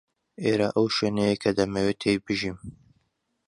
ئێرە ئەو شوێنەیە کە دەمەوێت تێی بژیم.